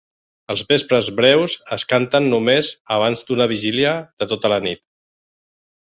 Els vespres breus es canten només abans d'una vigília de tota la nit.